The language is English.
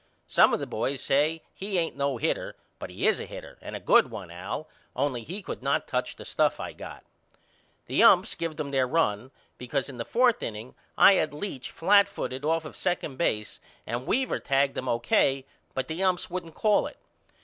Some of the boys say he ain't no hitter but he is a hitter and a good one Al only he could not touch the stuff I got. The umps give them their run because in the fourth inning I had Leach flatfooted off of second base and Weaver tagged him O.K. but the umps wouldn't call it.